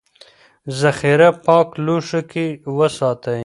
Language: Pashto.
ذخیره پاک لوښي کې وساتئ.